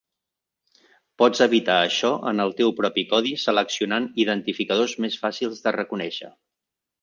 Pots evitar això en el teu propi codi seleccionant identificadors més fàcils de reconèixer.